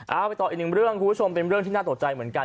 เอาไปต่ออีกหนึ่งเรื่องคุณผู้ชมเป็นเรื่องที่น่าตกใจเหมือนกัน